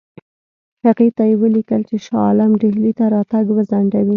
هغې ته یې ولیکل چې شاه عالم ډهلي ته راتګ وځنډوي.